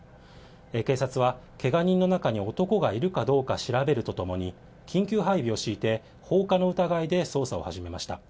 警察は、けが人の中に男がいるかどうか調べるとともに、緊急配備を敷いて、放火の疑いで捜査を始めました。